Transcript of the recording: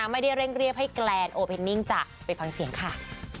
มีเดือนใจไม่หยุด